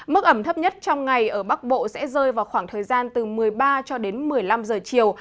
mức ẩm thấp nhất trong ngày ở bắc bộ sẽ rơi vào khoảng thời gian từ một mươi ba cho đến một mươi năm giờ chiều